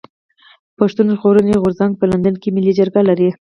پښتون ژغورني غورځنګ په لندن کي ملي جرګه لري.